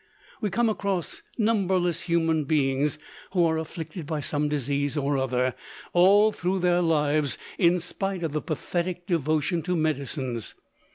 We come across numberless human beings who are afflicted by some disease or other all through their lives in spite of their pathetic devotion to medicines.